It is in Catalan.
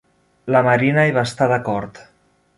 La Marina hi va estar d'acord.